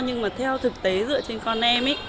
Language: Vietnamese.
nhưng mà theo thực tế dựa trên con em ấy